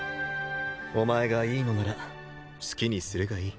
お前がいいのなら好きにするがいい。